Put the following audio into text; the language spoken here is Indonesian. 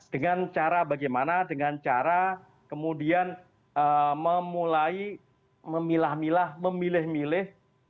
dengan cara bagaimana dengan cara kemudian memulai memilah milah memilih milih